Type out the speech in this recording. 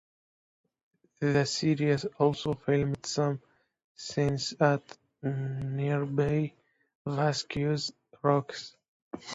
The series also filmed some scenes at nearby Vasquez Rocks.